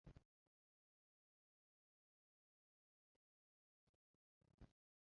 石川贞清是安土桃山时代至江户时代前期的武将和大名。